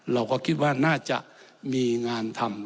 เราก็คิดว่าน่าจะมีงานทำ